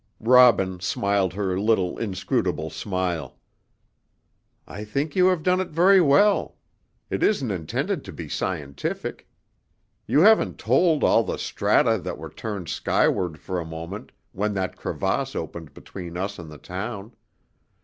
Robin smiled her little inscrutable smile. "I think you have done it very well. It isn't intended to be scientific. You haven't told all the strata that were turned skyward for a moment when that crevasse opened between us and the town.